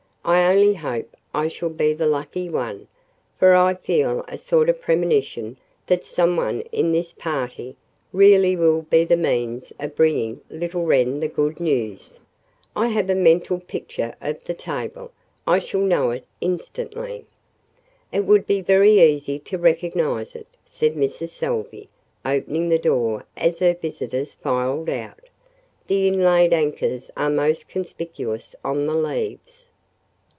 "I only hope I shall be the lucky one for I feel a sort of premonition that some one in this party really will be the means of bringing little Wren the good news. I have a mental picture of the table. I shall know it instantly." "It would be very easy to recognize it," said Mrs. Salvey, opening the door as her visitors filed out. "The inlaid anchors are most conspicuous on the leaves."